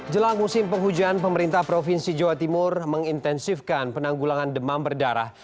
jelang musim penghujan pemerintah provinsi jawa timur mengintensifkan penanggulangan demam berdarah